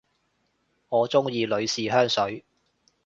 我鍾意女士香水